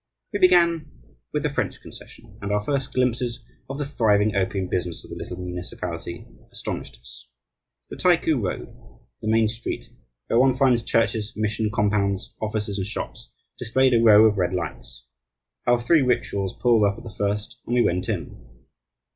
We began with the French concession; and our first glimpses of the thriving opium business of the little municipality astonished us. The Taiku Road, the main street, where one finds churches, mission compounds, offices, and shops, displayed a row of red lights. Our three rickshaws pulled up at the first and we went in.